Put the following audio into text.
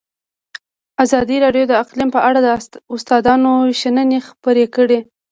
ازادي راډیو د اقلیم په اړه د استادانو شننې خپرې کړي.